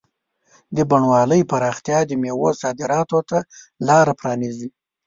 د بڼوالۍ پراختیا د مېوو صادراتو ته لاره پرانیزي.